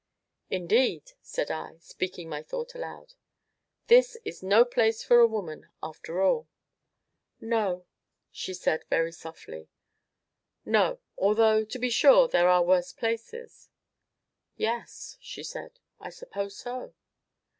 "Indeed," said I, speaking my thought aloud, "this is no place for a woman, after all." "No," said she very softly. "No although, to be sure, there are worse places." "Yes," said she, "I suppose so."